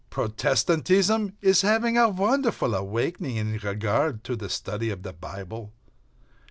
Protestantism is having a wonderful awakening in regard to the study of the Bible.